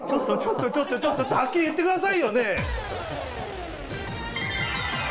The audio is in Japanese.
ちょっとちょっとはっきり言ってくださいよ！